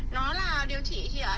nó là điều trị chị ạ